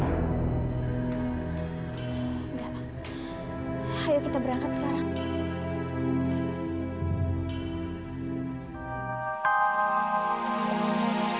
enggak lah ayo kita berangkat sekarang